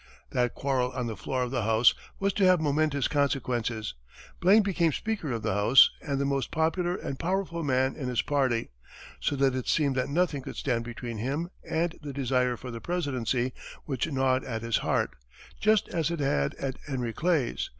That quarrel on the floor of the House was to have momentous consequences. Blaine became speaker of the House and the most popular and powerful man in his party, so that it seemed that nothing could stand between him and the desire for the presidency which gnawed at his heart, just as it had at Henry Clay's.